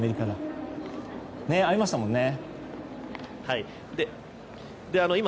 会いましたもんね。